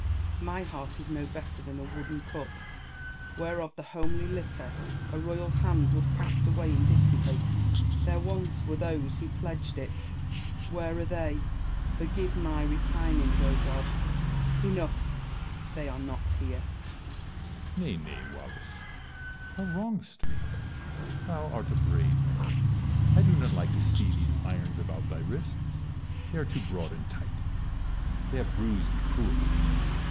My heart is no better than a wooden cup, whereof the homely liquor a royal hand would cast away indifferently. There once were those who pledged it ! where are they ? Forgive my repining, O God ! Enough, if they are not here. Edward. Nay, nay, "Wallace ! thou wrongest me. Tliou art a brave man. I do not like to see those irons about thy wrists : they are too broad and tight ; they have bruised thee cruelly.